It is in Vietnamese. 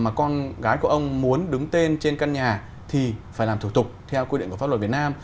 mà con gái của ông muốn đứng tên trên căn nhà thì phải làm thủ tục theo quy định của pháp luật việt nam